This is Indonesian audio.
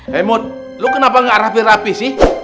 hei mut lo kenapa gak rapi rapi sih